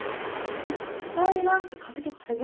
絶対なんかカビとか生えてる。